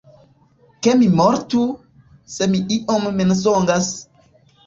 Ke mi mortu, se mi iom mensogas!